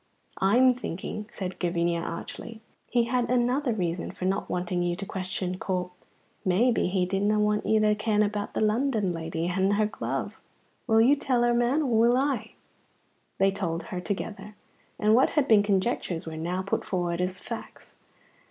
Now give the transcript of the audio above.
"I'm thinking," said Gavinia, archly, "he had another reason for no wanting you to question Corp. Maybe he didna want you to ken about the London lady and her glove. Will you tell her, man, or will I?" They told her together, and what had been conjectures were now put forward as facts.